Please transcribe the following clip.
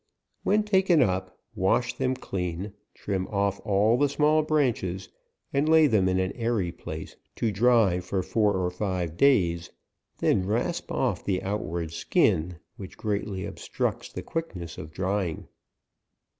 When taken up, wash them clean, trim ofFall the small branches, and lay them in an airy place to dry for four or five days ; then rasp off the outward skin ; which greatly c b 62 APRIL. structs the quickness of drying.